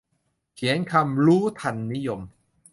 เขียนคำรู้ทันนิยม